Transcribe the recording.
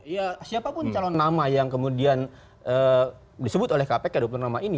ya siapapun calon nama yang kemudian disebut oleh kpk dua puluh nama ini